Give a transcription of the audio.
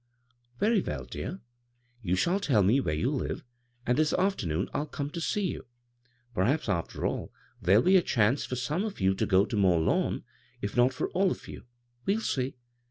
" Very well, dear. You shall tell me where you live, and this afternoon I'll come to see you. Perhaps, after all, there'll be a chance bGoo^Li CROSS CURRENTS {or some of you to go to Mont Lawn, if not for all of you. We'll see."